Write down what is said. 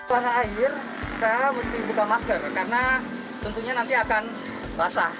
tanah air saya mesti buka masker karena tentunya nanti akan basah